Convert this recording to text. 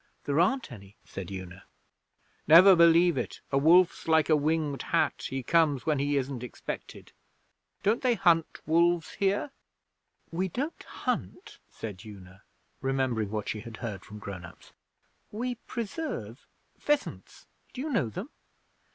'There aren't any,' said Una. 'Never believe it! A wolf's like a Winged Hat. He comes when he isn't expected. Don't they hunt wolves here?' 'We don't hunt,' said Una, remembering what she had heard from grown ups. 'We preserve pheasants. Do you know them?'